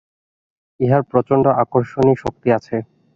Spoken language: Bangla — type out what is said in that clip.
ইহার প্রচণ্ড আকর্ষণী শক্তি আছে।